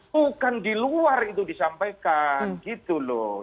bukan di luar itu disampaikan gitu loh